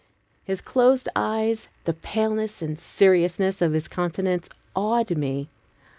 His closed eyes, the paleness and seriousness of his countenance, awed me.